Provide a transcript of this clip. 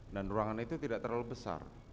dan ruangan itu tidak terlalu besar